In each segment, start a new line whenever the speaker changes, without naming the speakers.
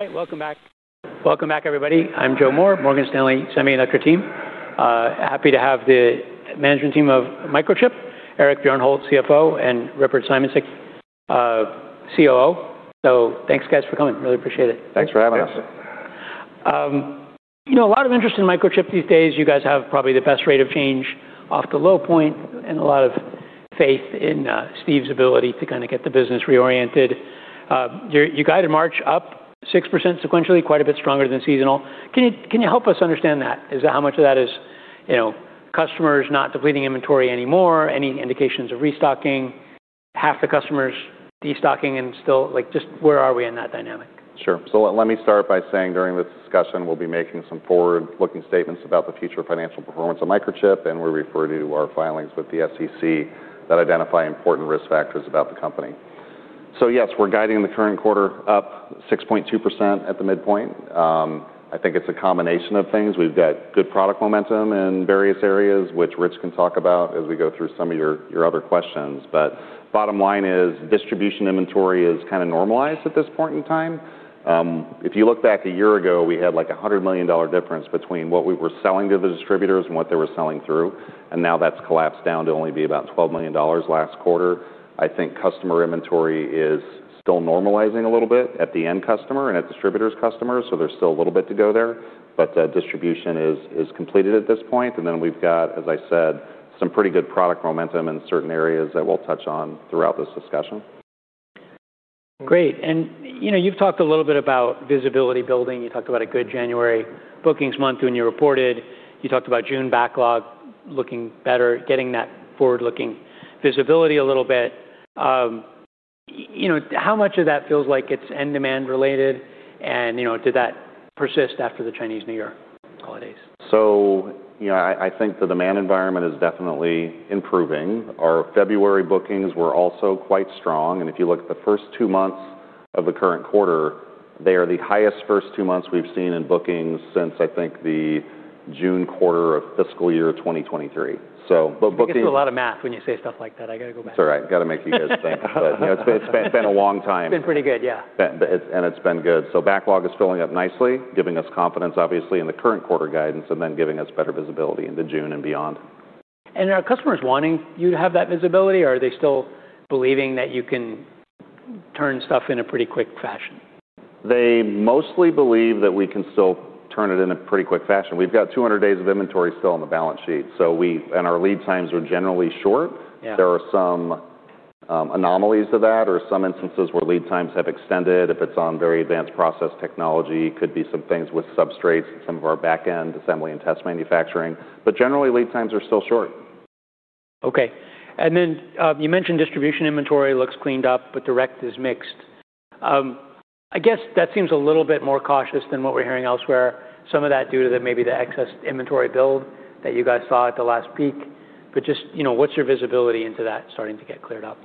Welcome back. Welcome back, everybody. I'm Joe Moore, Morgan Stanley Semiconductor team. happy to have the management team of Microchip, Eric Bjornholt, CFO, and Richard Simoncic, COO. thanks guys for coming. Really appreciate it.
Thanks for having us.
You know, a lot of interest in Microchip these days. You guys have probably the best rate of change off the low point and a lot of faith in Steve's ability to kind of get the business reoriented. You guided March up 6% sequentially, quite a bit stronger than seasonal. Can you help us understand that? Is how much of that is, you know, customers not depleting inventory anymore? Any indications of restocking, half the customers destocking and still. Just where are we in that dynamic?
Let me start by saying during this discussion, we'll be making some forward-looking statements about the future financial performance of Microchip, and we refer to our filings with the SEC that identify important risk factors about the company. Yes, we're guiding the current quarter up 6.2% at the midpoint. I think it's a combination of things. We've got good product momentum in various areas, which Rich can talk about as we go through some of your other questions. Bottom line is distribution inventory is kind of normalized at this point in time. If you look back a year ago, we had like a $100 million difference between what we were selling to the distributors and what they were selling through, and now that's collapsed down to only be about $12 million last quarter. I think customer inventory is still normalizing a little bit at the end customer and at distributors' customers, there's still a little bit to go there. Distribution is completed at this point, and then we've got, as I said, some pretty good product momentum in certain areas that we'll touch on throughout this discussion.
Great. You know, you've talked a little bit about visibility building. You talked about a good January bookings month when you reported. You talked about June backlog looking better, getting that forward-looking visibility a little bit. You know, how much of that feels like it's end demand related? You know, did that persist after the Chinese New Year holidays?
You know, I think the demand environment is definitely improving. Our February bookings were also quite strong, and if you look at the first two months of the current quarter, they are the highest first two months we've seen in bookings since I think the June quarter of fiscal year 2023. But bookings.
I get through a lot of math when you say stuff like that. I gotta go back.
It's all right. Gotta make you guys think. you know, it's been a long time.
It's been pretty good, yeah.
It's been good. backlog is filling up nicely, giving us confidence obviously in the current quarter guidance and then giving us better visibility into June and beyond.
Are customers wanting you to have that visibility, or are they still believing that you can turn stuff in a pretty quick fashion?
They mostly believe that we can still turn it in a pretty quick fashion. We've got 200 days of inventory still on the balance sheet, and our lead times are generally short.
Yeah.
There are some anomalies to that or some instances where lead times have extended, if it's on very advanced process technology, could be some things with substrates and some of our back-end assembly and test manufacturing. Generally, lead times are still short.
Okay. You mentioned distribution inventory looks cleaned up, but direct is mixed. I guess that seems a little bit more cautious than what we're hearing elsewhere. Some of that due to the, maybe the excess inventory build that you guys saw at the last peak. Just, you know, what's your visibility into that starting to get cleared up?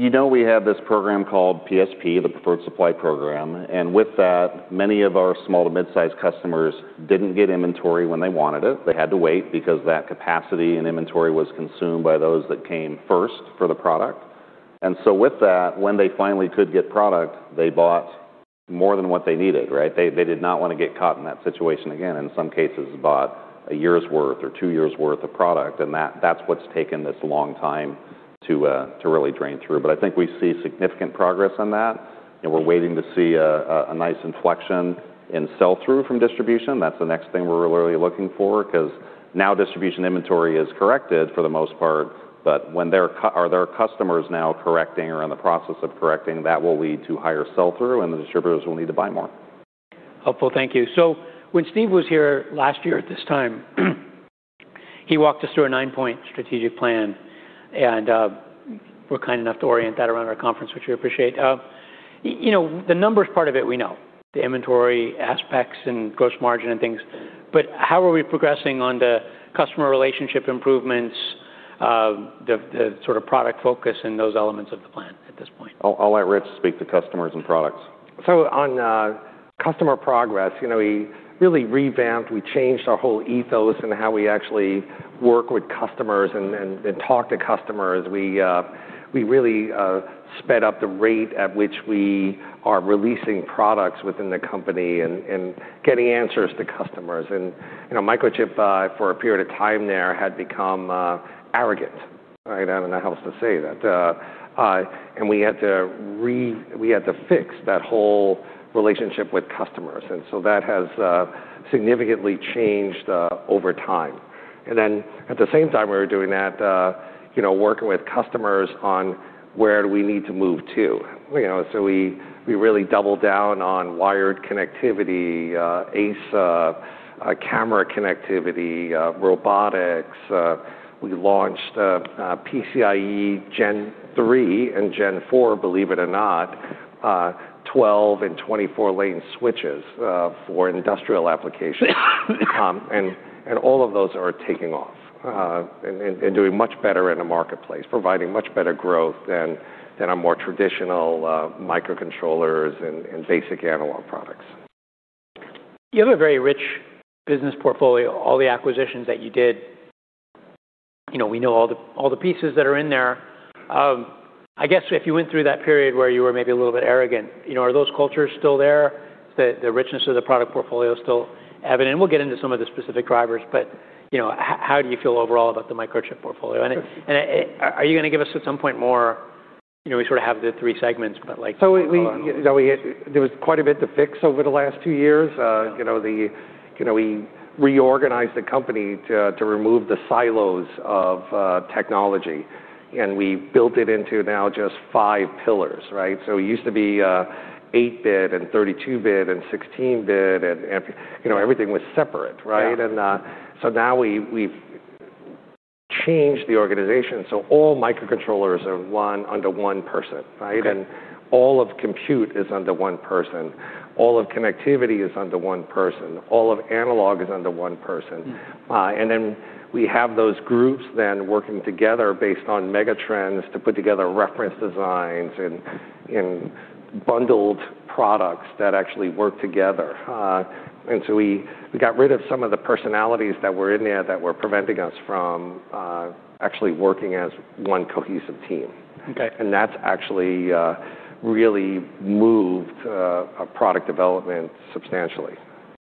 You know, we have this program called PSP, the Preferred Supply Program, and with that, many of our small to mid-sized customers didn't get inventory when they wanted it. They had to wait because that capacity and inventory was consumed by those that came first for the product. with that, when they finally could get product, they bought more than what they needed, right? They did not wanna get caught in that situation again, in some cases, bought a year's worth or two years worth of product, and that's what's taken this long time to really drain through. I think we see significant progress on that, and we're waiting to see a nice inflection in sell-through from distribution. That's the next thing we're really looking for, 'cause now distribution inventory is corrected for the most part. Are their customers now correcting or in the process of correcting, that will lead to higher sell-through, and the distributors will need to buy more?
Helpful. Thank you. When Steve was here last year at this time, he walked us through a 9-point strategic plan, and were kind enough to orient that around our conference, which we appreciate. You know, the numbers part of it we know, the inventory aspects and gross margin and things, but how are we progressing on the customer relationship improvements, the sort of product focus and those elements of the plan at this point?
I'll let Rich speak to customers and products.
On customer progress, you know, we really revamped, we changed our whole ethos and how we actually work with customers and talk to customers. We really sped up the rate at which we are releasing products within the company and getting answers to customers. You know, Microchip for a period of time there, had become arrogant, right? I don't know how else to say that. We had to fix that whole relationship with customers, and so that has significantly changed over time. Then at the same time we were doing that, you know, working with customers on where do we need to move to, you know. We really doubled down on wired connectivity, ASA, camera connectivity, robotics. We launched PCIe Gen 3 and Gen 4, believe it or not, 12 and 24 lane switches for industrial applications. All of those are taking off and doing much better in the marketplace, providing much better growth than our more traditional microcontrollers and basic analog products.
You have a very rich business portfolio, all the acquisitions that you did. You know, we know all the pieces that are in there. I guess if you went through that period where you were maybe a little bit arrogant, you know, are those cultures still there? The richness of the product portfolio is still evident, and we'll get into some of the specific drivers, but, you know, how do you feel overall about the Microchip portfolio? And are you gonna give us, at some point, more. You know, we sort of have the three segments, but, like.
We, you know, there was quite a bit to fix over the last two years. You know, the, you know, we reorganized the company to remove the silos of technology, and we built it into now just five pillars, right? It used to be, 8-bit and 32-bit and 16-bit and you know, everything was separate, right?
Yeah.
Now we've changed the organization, so all microcontrollers are under one person, right?
Okay.
All of compute is under one person. All of connectivity is under one person. All of analog is under one person. We have those groups then working together based on mega trends to put together reference designs and bundled products that actually work together. We got rid of some of the personalities that were in there that were preventing us from actually working as one cohesive team.
Okay.
That's actually really moved our product development substantially.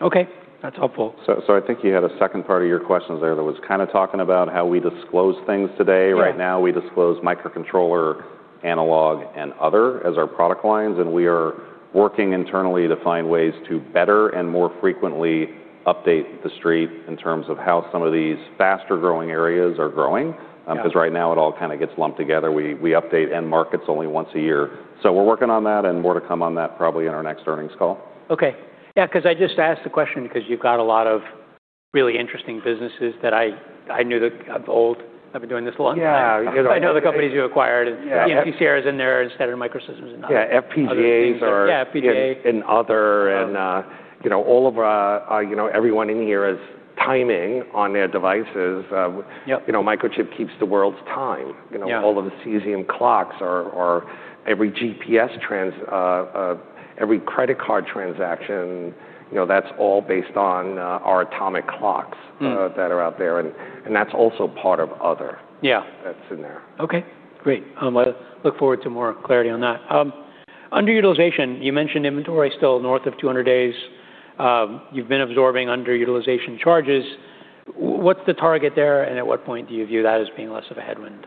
Okay. That's helpful.
I think you had a second part of your questions there that was kind of talking about how we disclose things today.
Yeah.
Right now, we disclose microcontroller, analog, and other as our product lines, and we are working internally to find ways to better and more frequently update the street in terms of how some of these faster-growing areas are growing.
Yeah.
'Cause right now it all kind of gets lumped together. We update end markets only once a year. We're working on that and more to come on that probably in our next earnings call.
Okay. Yeah, 'cause I just asked the question because you've got a lot of really interesting businesses that I knew that. I'm old. I've been doing this a long time.
Yeah.
I know the companies you acquired.
Yeah.
MPCR is in there instead of Microsemi and other things.
Yeah, FPGA.
Yeah, FPGA.
And other, you know, all of our, you know, everyone in here has timing on their devices.
Yep.
You know, Microchip keeps the world's time.
Yeah.
You know, all of the cesium clocks or every GPS, every credit card transaction, you know, that's all based on our atomic clocks that are out there, and that's also part of.
Yeah.
That's in there.
Okay. Great. I look forward to more clarity on that. Underutilization, you mentioned inventory still north of 200 days. You've been absorbing underutilization charges. What's the target there, and at what point do you view that as being less of a headwind?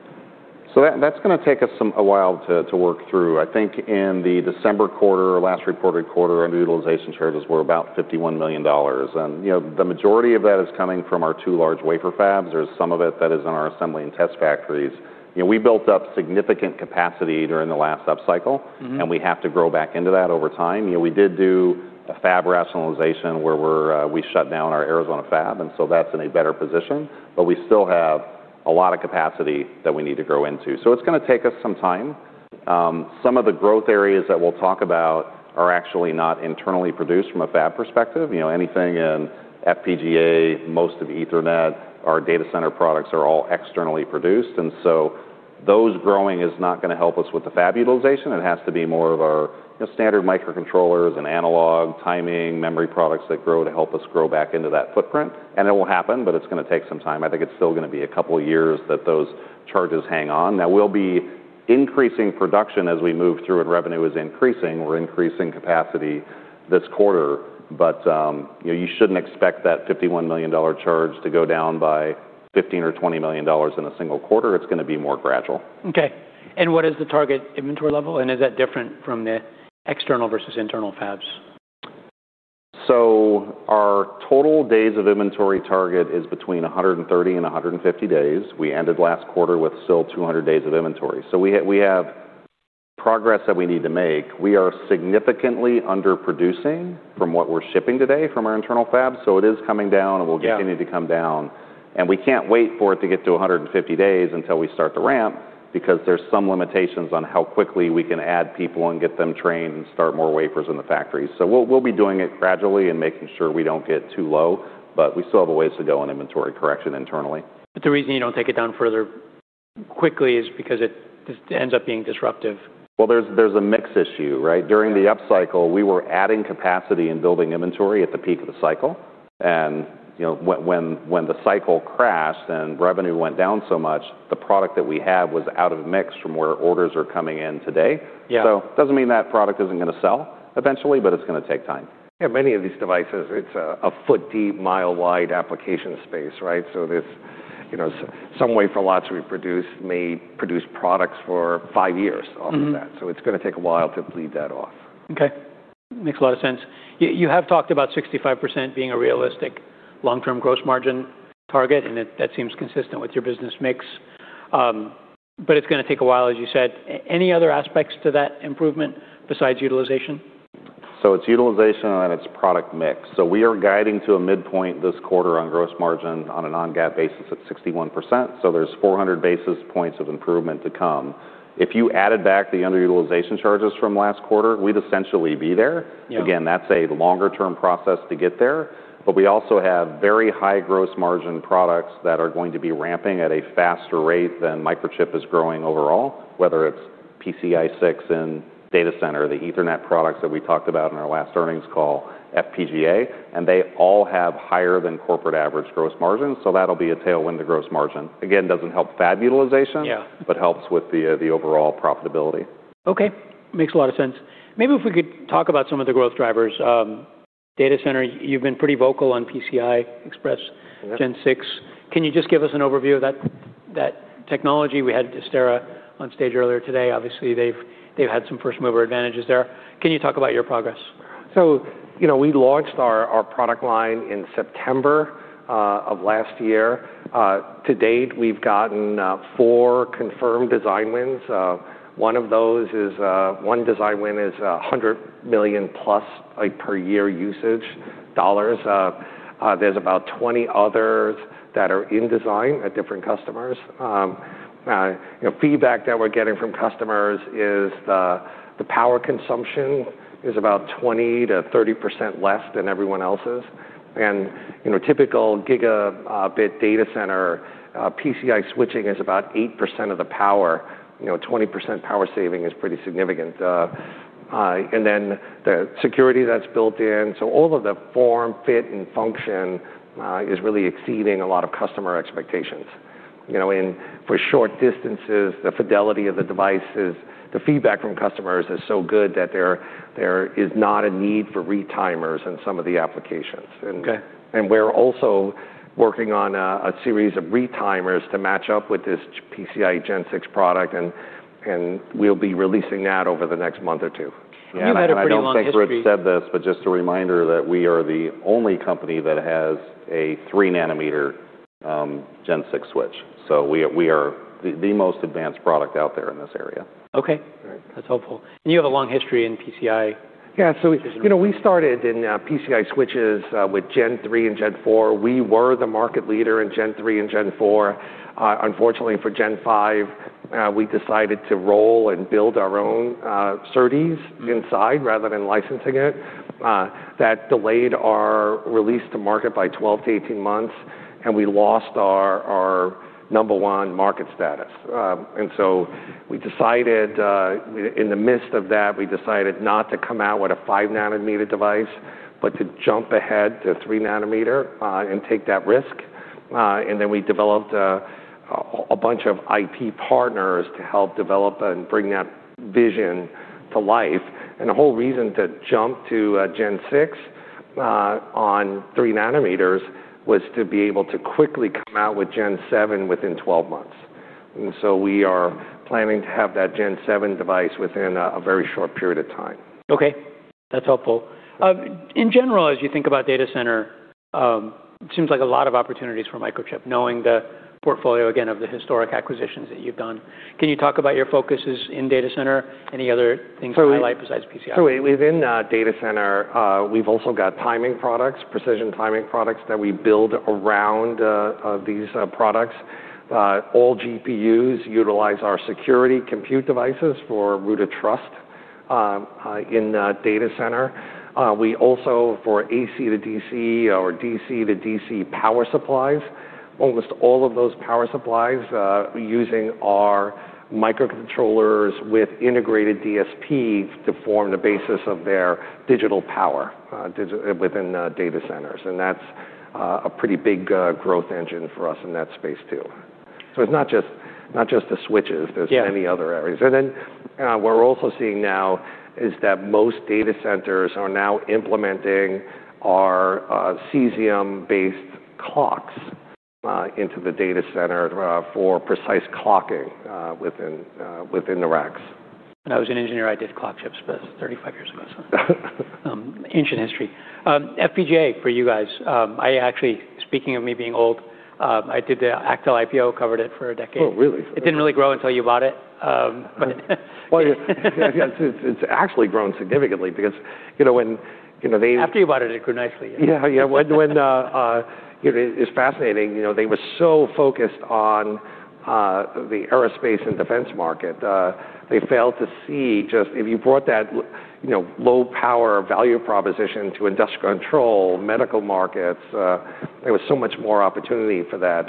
That's gonna take us some, a while to work through. I think in the December quarter, last reported quarter, underutilization charges were about $51 million. You know, the majority of that is coming from our two large wafer fabs. There's some of it that is in our assembly and test factories. You know, we built up significant capacity during the last upcycle. We have to grow back into that over time. You know, we did do a fab rationalization where we're, we shut down our Arizona fab, that's in a better position. We still have a lot of capacity that we need to grow into. It's gonna take us some time. Some of the growth areas that we'll talk about are actually not internally produced from a fab perspective. You know, anything in FPGA, most of Ethernet, our data center products are all externally produced. Those growing is not gonna help us with the fab utilization. It has to be more of our, you know, standard microcontrollers and analog, timing, memory products that grow to help us grow back into that footprint. It will happen, but it's gonna take some time. I think it's still gonna be a couple years that those charges hang on. Now we'll be increasing production as we move through, and revenue is increasing. We're increasing capacity this quarter. You know, you shouldn't expect that $51 million charge to go down by $15 million or $20 million in a single quarter. It's gonna be more gradual.
Okay. What is the target inventory level, and is that different from the external versus internal fabs?
Our total days of inventory target is between 130 and 150 days. We ended last quarter with still 200 days of inventory. We have progress that we need to make. We are significantly underproducing from what we're shipping today from our internal fabs, so it is coming down.
Yeah.
And will continue to come down. We can't wait for it to get to 150 days until we start the ramp because there's some limitations on how quickly we can add people and get them trained and start more wafers in the factories. We'll be doing it gradually and making sure we don't get too low, but we still have a ways to go on inventory correction internally.
The reason you don't take it down further quickly is because it just ends up being disruptive.
Well, there's a mix issue, right?
Yeah.
During the upcycle, we were adding capacity and building inventory at the peak of the cycle. You know, when the cycle crashed and revenue went down so much, the product that we had was out of mix from where orders are coming in today.
Yeah.
Doesn't mean that product isn't gonna sell eventually, but it's gonna take time.
Yeah, many of these devices, it's a foot deep, mile wide application space, right? There's, you know, some wafer lots we produce may produce products for five years off of that. It's gonna take a while to bleed that off.
Okay. Makes a lot of sense. You have talked about 65% being a realistic long-term gross margin target, and that seems consistent with your business mix. It's gonna take a while, as you said. Any other aspects to that improvement besides utilization?
It's utilization and it's product mix. We are guiding to a midpoint this quarter on gross margin on a non-GAAP basis at 61%, so there's 400 basis points of improvement to come. If you added back the underutilization charges from last quarter, we'd essentially be there.
Yeah.
Again, that's a longer-term process to get there. We also have very high gross margin products that are going to be ramping at a faster rate than Microchip is growing overall, whether it's PCIe 6 in data center, the Ethernet products that we talked about in our last earnings call, FPGA, and they all have higher than corporate average gross margins, so that'll be a tailwind to gross margin. Again, doesn't help fab utilization.
Yeah.
Helps with the overall profitability.
Okay. Makes a lot of sense. Maybe if we could talk about some of the growth drivers, Data center, you've been pretty vocal on PCI Express Gen 6. Can you just give us an overview of that technology? We had Astera on stage earlier today. Obviously, they've had some first-mover advantages there. Can you talk about your progress?
You know, we launched our product line in September of last year. To date, we've gotten four confirmed design wins. One of those is one design win is a $100 million-plus, like, per year usage dollars. There's about 20 others that are in design at different customers. you know, feedback that we're getting from customers is the power consumption is about 20%-30% less than everyone else's. you know, typical gigabit data center PCI switching is about 8% of the power. You know, 20% power saving is pretty significant. The security that's built in. All of the form, fit, and function is really exceeding a lot of customer expectations. You know, and for short distances, the fidelity of the devices, the feedback from customers is so good that there is not a need for retimers in some of the applications.
Okay.
And we're also working on a series of retimers to match up with this PCIe Gen 6 product and we'll be releasing that over the next month or two.
I don't think Rich said this, but just a reminder that we are the only company that has a 3-nanometer Gen 6 switch. We are the most advanced product out there in this area.
Okay.
All right.
That's helpful. You have a long history in PCI.
You know, we started in PCI switches with Gen 3 and Gen 4. We were the market leader in Gen 3 and Gen 4. Unfortunately for Gen 5, we decided to roll and build our own SERDES inside rather than licensing it. That delayed our release to market by 12 to 18 months, and we lost our number one market status. We decided, in the midst of that, we decided not to come out with a 5-nanometer device, but to jump ahead to 3 nanometer and take that risk. Then we developed a bunch of IP partners to help develop and bring that vision to life. The whole reason to jump to Gen6 on 3 nanometers was to be able to quickly come out with Gen 7 within 12 months. We are planning to have that Gen 7 device within a very short period of time.
Okay. That's helpful. In general, as you think about data center, seems like a lot of opportunities for Microchip, knowing the portfolio, again, of the historic acquisitions that you've done. Can you talk about your focuses in data center? Any other things to highlight besides PCI?
Within data center, we've also got timing products, precision timing products that we build around these products. All GPUs utilize our security compute devices for root of trust in data center. We also, for AC to DC or DC to DC power supplies, almost all of those power supplies using our microcontrollers with integrated DSP to form the basis of their digital power within data centers. That's a pretty big growth engine for us in that space too. It's not just the switches.
Yeah.
There's many other areas. What we're also seeing now is that most data centers are now implementing our cesium-based clocks into the data center for precise clocking within the racks.
When I was an engineer, I did clock chips, but 35 years ago, so. Ancient history. FPGA for you guys. I actually, speaking of me being old, I did the Actel IPO, covered it for a decade.
Oh, really?
It didn't really grow until you bought it.
Well, it's actually grown significantly because, you know, when, you know.
After you bought it grew nicely.
Yeah. Yeah. When, when, you know, it's fascinating. You know, they were so focused on the aerospace and defense market, they failed to see just if you brought that you know, low power value proposition to industrial control, medical markets, there was so much more opportunity for that.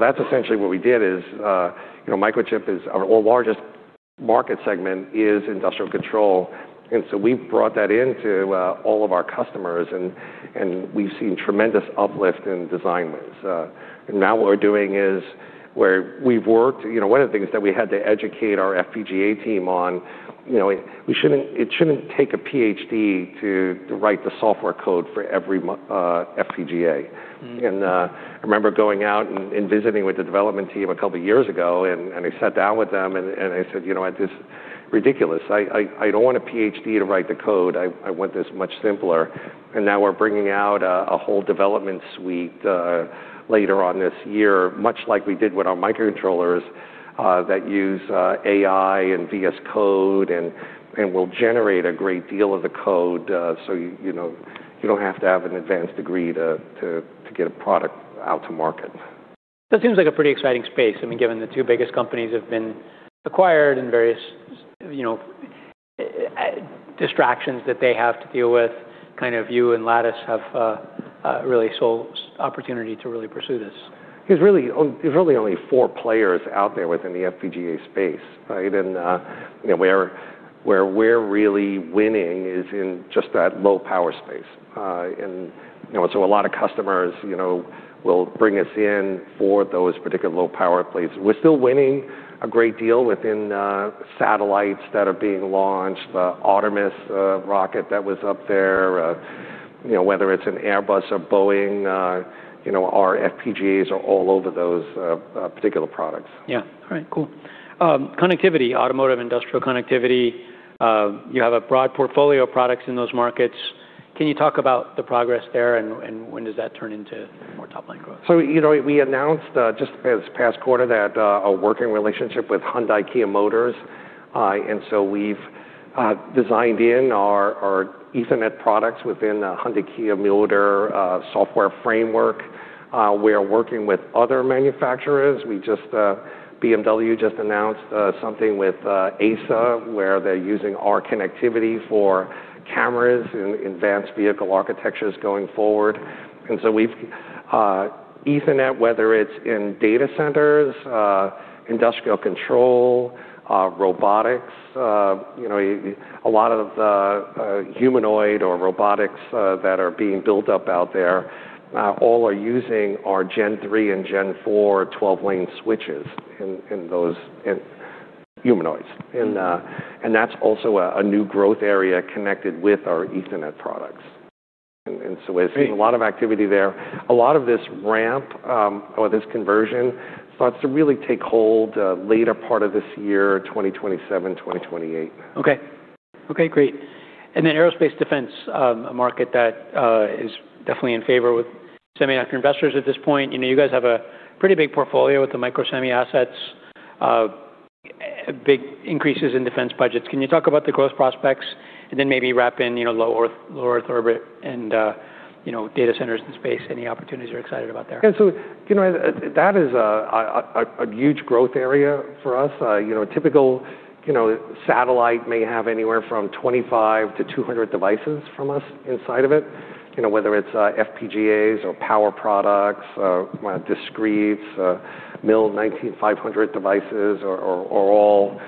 That's essentially what we did is, you know, Microchip is our largest market segment is industrial control. We've brought that into all of our customers and we've seen tremendous uplift in design wins. Now what we're doing is where we've worked, you know, one of the things that we had to educate our FPGA team on, you know, it shouldn't take a PhD to write the software code for every FPGA. I remember going out and visiting with the development team a couple years ago and I sat down with them and I said, "You know, this is ridiculous. I don't want a PhD to write the code. I want this much simpler." Now we're bringing out a whole development suite later on this year, much like we did with our microcontrollers that use AI and VS Code and will generate a great deal of the code, so, you know, you don't have to have an advanced degree to get a product out to market.
That seems like a pretty exciting space, I mean, given the two biggest companies have been acquired and various, you know, distractions that they have to deal with, kind of you and Lattice have really sole opportunity to really pursue this.
There's really only four players out there within the FPGA space, right? You know, where we're really winning is in just that low power space. You know, a lot of customers, you know, will bring us in for those particular low power places. We're still winning a great deal within satellites that are being launched, the Artemis rocket that was up there. You know, whether it's an Airbus or Boeing, you know, our FPGAs are all over those particular products.
Yeah. All right, cool. connectivity, automotive, industrial connectivity, you have a broad portfolio of products in those markets. Can you talk about the progress there and when does that turn into more top-line growth?
You know, we announced just this past quarter that a working relationship with Hyundai Motor Group. We've designed in our Ethernet products within Hyundai Kia Motor software framework. We are working with other manufacturers. We just BMW just announced something with ASA, where they're using our connectivity for cameras in advanced vehicle architectures going forward. We've Ethernet, whether it's in data centers, industrial control, robotics, you know, a lot of humanoid or robotics that are being built up out there, all are using our Gen 3 and Gen 4 12-lane switches in those humanoids. That's also a new growth area connected with our Ethernet products. There's been a lot of activity there. A lot of this ramp, or this conversion starts to really take hold, later part of this year, 2027, 2028.
Okay, great. The aerospace defense market that is definitely in favor with semi investors at this point. You know, you guys have a pretty big portfolio with the Microsemi assets, big increases in defense budgets. Can you talk about the growth prospects and then maybe wrap in, you know, low Earth orbit and, you know, data centers and space, any opportunities you're excited about there?
Yeah. You know, that is a huge growth area for us. You know, typical, you know, satellite may have anywhere from 25 to 200 devices from us inside of it, you know, whether it's FPGAs or power products, discretes, MIL-PRF-19500 devices are all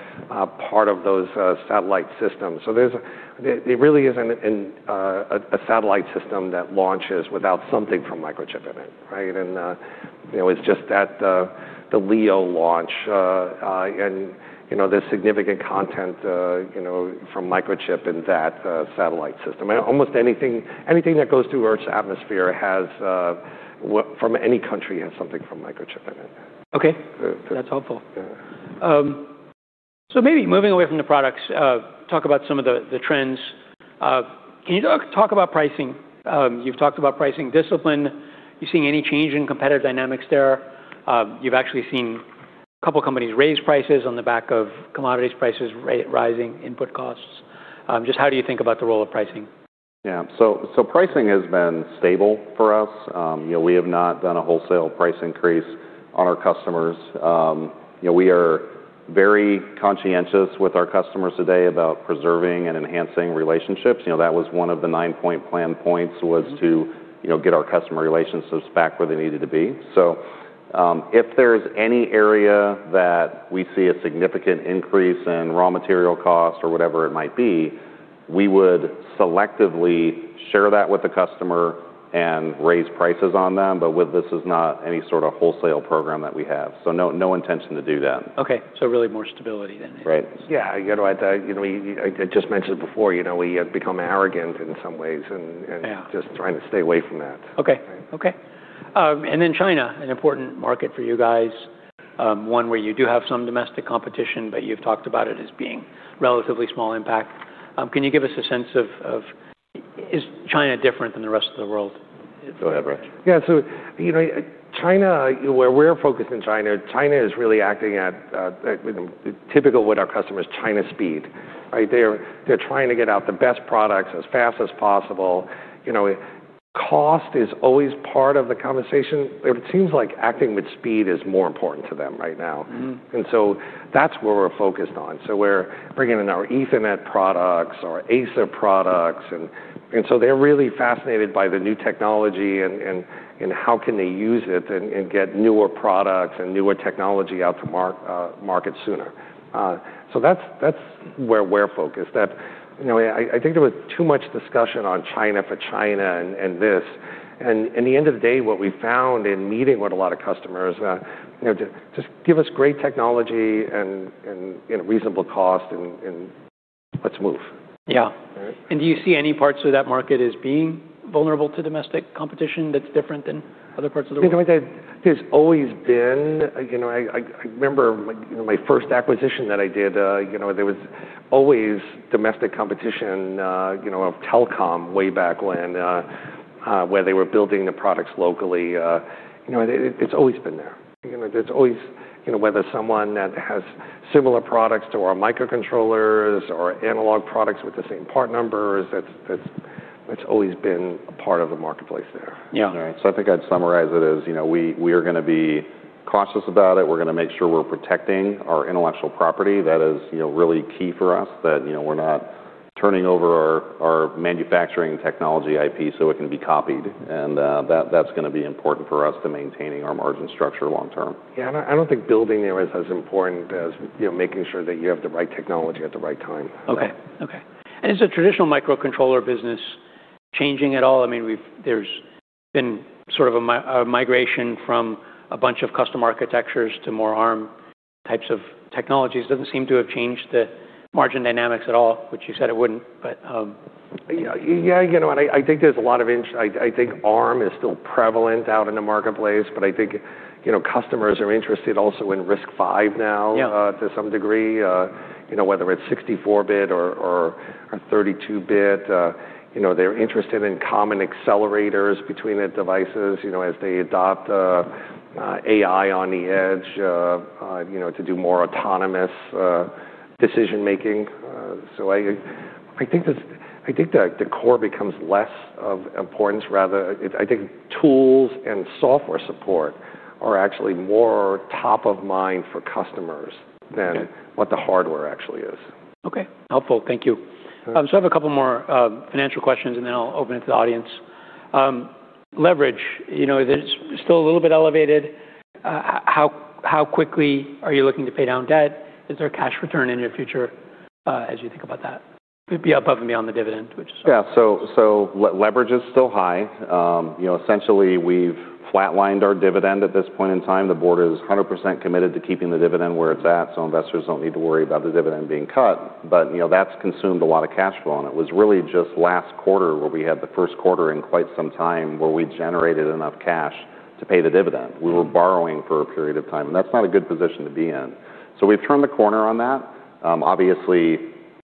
part of those satellite systems. There really isn't a satellite system that launches without something from Microchip in it. Right. You know, it's just that the LEO launch and, you know, there's significant content, you know, from Microchip in that satellite system. Almost anything that goes through Earth's atmosphere has from any country, has something from Microchip in it.
Okay.
Good.
That's helpful.
Yeah.
Maybe moving away from the products, talk about some of the trends. Can you talk about pricing? You've talked about pricing discipline. You seeing any change in competitive dynamics there? You've actually seen a couple companies raise prices on the back of commodities prices rising, input costs. Just how do you think about the role of pricing?
Yeah. Pricing has been stable for us. You know, we have not done a wholesale price increase on our customers. You know, we are very conscientious with our customers today about preserving and enhancing relationships. You know, that was one of the nine-point plan points was to, you know, get our customer relationships back where they needed to be. If there's any area that we see a significant increase in raw material costs or whatever it might be, we would selectively share that with the customer and raise prices on them. This is not any sort of wholesale program that we have. No intention to do that.
Okay. Really more stability then.
Right.
Yeah. You know, I, you know, I just mentioned before, you know, we have become arrogant in some ways.
Yeah
Just trying to stay away from that.
Okay.
Right.
Okay. China, an important market for you guys, one where you do have some domestic competition, but you've talked about it as being relatively small impact. Can you give us a sense of is China different than the rest of the world?
Yeah. You know, China, where we're focused in China is really acting at typical with our customers, China speed, right? They're trying to get out the best products as fast as possible. You know, cost is always part of the conversation. It seems like acting with speed is more important to them right now. That's where we're focused on. We're bringing in our Ethernet products, our ASA products, and so they're really fascinated by the new technology and how can they use it and get newer products and newer technology out to market sooner. That's, that's where we're focused. That's. You know, I think there was too much discussion on China for China and this. In the end of the day, what we found in meeting with a lot of customers, you know, just give us great technology and, you know, reasonable cost and let's move.
Yeah.
Right.
Do you see any parts of that market as being vulnerable to domestic competition that's different than other parts of the world?
You know, there's always been. You know, I remember my first acquisition that I did, you know, there was always domestic competition, you know, of telecom way back when, where they were building the products locally. You know, it's always been there. You know, there's always, you know, whether someone that has similar products to our microcontrollers or analog products with the same part numbers, that's always been a part of the marketplace there.
Yeah.
You know, I think I'd summarize it as, you know, we are gonna be cautious about it. We're gonna make sure we're protecting our intellectual property. That is, you know, really key for us that, you know, we're not turning over our manufacturing technology IP, so it can be copied. That's gonna be important for us to maintaining our margin structure long term.
Yeah. I don't think building there is as important as, you know, making sure that you have the right technology at the right time.
Okay. Okay. Is the traditional microcontroller business changing at all? I mean, there's been sort of a migration from a bunch of custom architectures to more Arm types of technologies. Doesn't seem to have changed the margin dynamics at all, which you said it wouldn't, but.
Yeah. You know what? I think Arm is still prevalent out in the marketplace, but I think, you know, customers are interested also in RISC-V now to some degree. You know, whether it's 64-bit or 32-bit. You know, they're interested in common accelerators between the devices, you know, as they adopt AI on the edge, you know, to do more autonomous decision-making. I think the core becomes less of importance. Rather, I think tools and software support are actually more top of mind for customers than.
Okay.
what the hardware actually is.
Okay. Helpful. Thank you.
All right.
I have a couple more financial questions, and then I'll open it to the audience. Leverage. You know, it's still a little bit elevated. How, how quickly are you looking to pay down debt? Is there cash return in your future, as you think about that? It'd be above and beyond the dividend, which is.
Yeah. Leverage is still high. You know, essentially we've flatlined our dividend at this point in time. The board is 100% committed to keeping the dividend where it's at, investors don't need to worry about the dividend being cut. You know, that's consumed a lot of cash flow, it was really just last quarter where we had the first quarter in quite some time where we generated enough cash to pay the dividend. We were borrowing for a period of time, and that's not a good position to be in. We've turned the corner on that. Obviously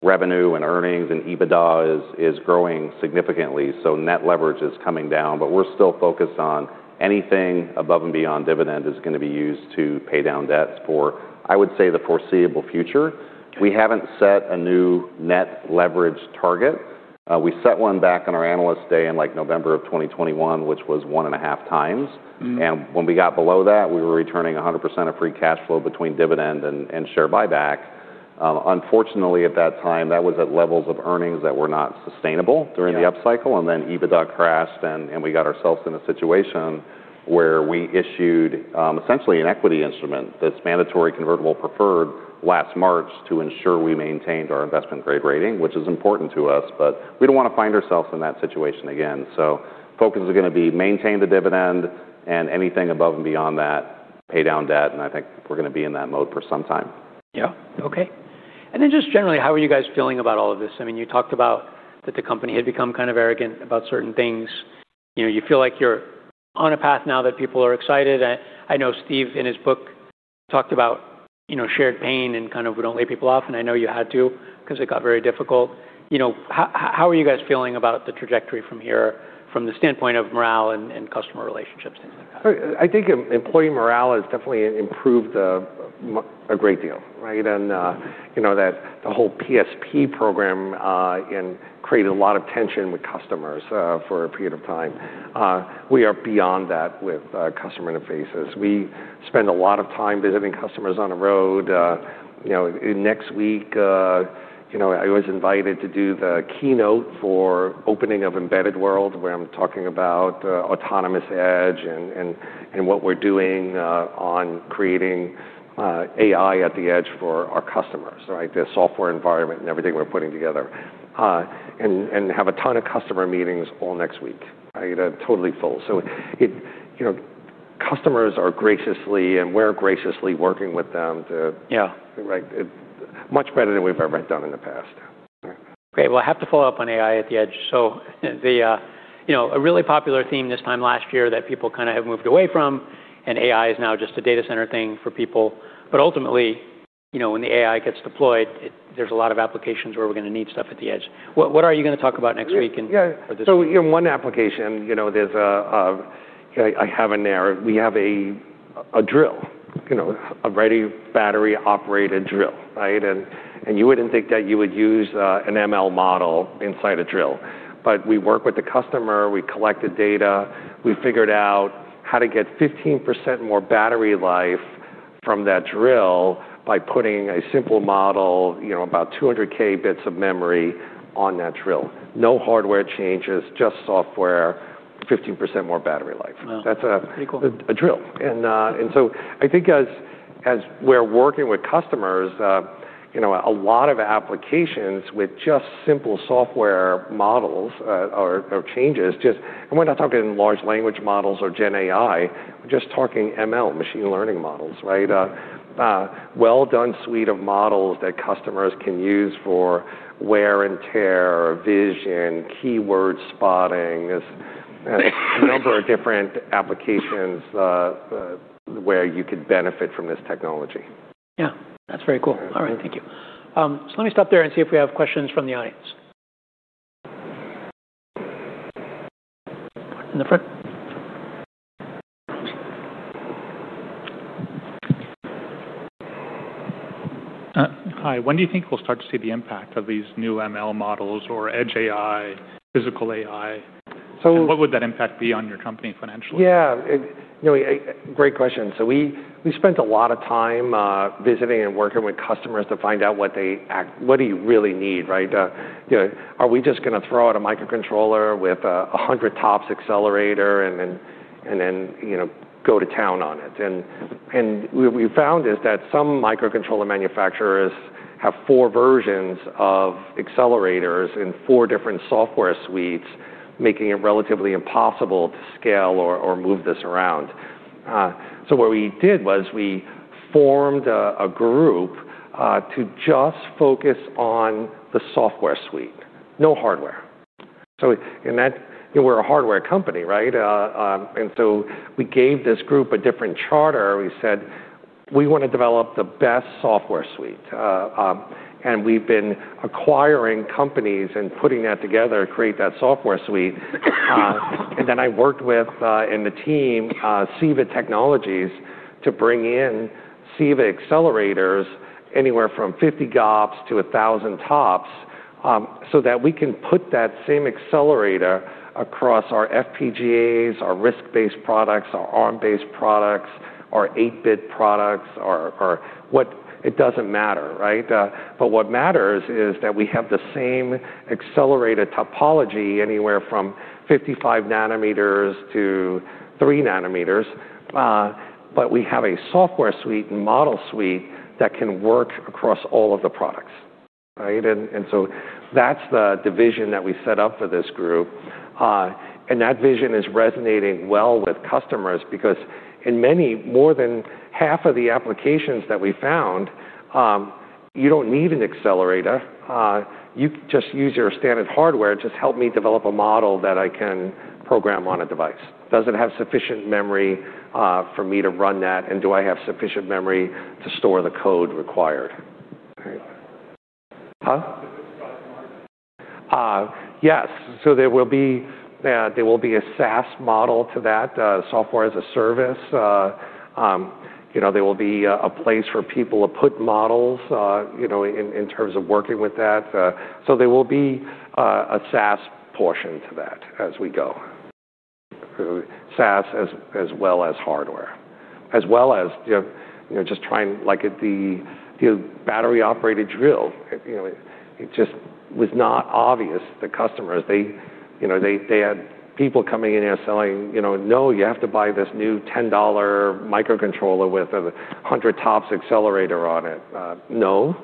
revenue and earnings and EBITDA is growing significantly, so net leverage is coming down. We're still focused on anything above and beyond dividend is going to be used to pay down debt for, I would say, the foreseeable future.
Okay.
We haven't set a new net leverage target. We set one back on our Analyst Day in like November of 2021, which was 1.5x. When we got below that, we were returning 100% of free cash flow between dividend and share buyback. Unfortunately, at that time, that was at levels of earnings that were not sustainable during the upcycle.
Yeah.
EBITDA crashed and we got ourselves in a situation where we issued essentially an equity instrument that's mandatory convertible preferred last March to ensure we maintained our investment-grade rating, which is important to us. We don't wanna find ourselves in that situation again. Focus is gonna be maintain the dividend and anything above and beyond that, pay down debt, and I think we're gonna be in that mode for some time.
Yeah. Okay. Just generally, how are you guys feeling about all of this? I mean, you talked about that the company had become kind of arrogant about certain things. You know, you feel like you're on a path now that people are excited. I know Steve in his book talked about, you know, shared pain and kind of we don't lay people off, and I know you had to because it got very difficult. You know, how are you guys feeling about the trajectory from here from the standpoint of morale and customer relationships, things like that?
I think employee morale has definitely improved a great deal, right? You know, that the whole PSP program created a lot of tension with customers for a period of time. We are beyond that with customer interfaces. We spend a lot of time visiting customers on the road. You know, next week, you know, I was invited to do the keynote for opening of Embedded World where I'm talking about autonomous edge and what we're doing on creating AI at the edge for our customers, right? The software environment and everything we're putting together. Have a ton of customer meetings all next week. I get a totally full. You know, customers are graciously and we're graciously working with them to.
Yeah
Right, much better than we've ever done in the past.
Okay. Well, I have to follow up on AI at the edge. The, you know, a really popular theme this time last year that people kinda have moved away from, and AI is now just a data center thing for people. Ultimately, you know, when the AI gets deployed, there's a lot of applications where we're gonna need stuff at the edge. What are you gonna talk about next week and.
Yeah.
For this week.
In one application, you know, there's a drill, you know, a ready battery-operated drill, right? You wouldn't think that you would use an ML model inside a drill. We work with the customer, we collect the data, we figured out how to get 15% more battery life from that drill by putting a simple model, you know, about 200 K bits of memory on that drill. No hardware changes, just software, 15% more battery life.
Wow.
That's-
Pretty cool.
A drill. I think as we're working with customers, you know, a lot of applications with just simple software models, or changes just. We're not talking large language models or gen AI. We're just talking ML, machine learning models, right? Well-done suite of models that customers can use for wear and tear, vision, keyword spotting. There's a number of different applications where you could benefit from this technology.
Yeah. That's very cool. All right. Thank you. Let me stop there and see if we have questions from the audience. In the front.
Hi. When do you think we'll start to see the impact of these new ML models or edge AI, physical AI? What would that impact be on your company financially?
Yeah. You know, great question. We spent a lot of time visiting and working with customers to find out what they really need, right? You know, are we just gonna throw out a microcontroller with a 100 TOPS accelerator and then, you know, go to town on it. What we found is that some microcontroller manufacturers have four versions of accelerators in four different software suites, making it relatively impossible to scale or move this around. What we did was we formed a group to just focus on the software suite, no hardware. We're a hardware company, right? We gave this group a different charter. We said, "We wanna develop the best software suite." We've been acquiring companies and putting that together to create that software suite. Then I worked with in the team, CEVA Technologies to bring in CEVA accelerators anywhere from 50 GOPS to 1,000 TOPS, so that we can put that same accelerator across our FPGAs, our RISC-based products, our Arm-based products, our 8-bit products, our It doesn't matter, right? But what matters is that we have the same accelerated topology anywhere from 55 nm to 3 nm, but we have a software suite and model suite that can work across all of the products, right? That's the division that we set up for this group. That vision is resonating well with customers because in many more than half of the applications that we found, you don't need an accelerator. You just use your standard hardware to help me develop a model that I can program on a device. Does it have sufficient memory for me to run that and do I have sufficient memory to store the code required? Right.
Is it a product margin?
Yes. There will be a SaaS model to that, software as a service. You know, there will be a place for people to put models, you know, in terms of working with that. There will be a SaaS portion to that as we go. SaaS as well as hardware, as well as, you know, Like at the, you know, battery-operated drill, you know, it just was not obvious to customers. They, you know, they had people coming in there selling, you know, "No, you have to buy this new $10 microcontroller with a 100 TOPS accelerator on it." No.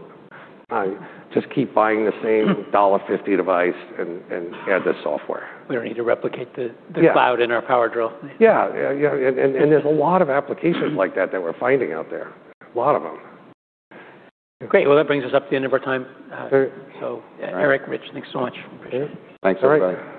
I just keep buying the same $1.50 device and add the software.
We don't need to replicate.
Yeah.
The cloud in our power drill.
Yeah. Yeah, yeah. There's a lot of applications like that that we're finding out there. A lot of them.
Great. Well, that brings us up to the end of our time.
Great.
Eric, Rich, thanks so much. Appreciate it.
Yeah. Thanks, everybody.
Thanks.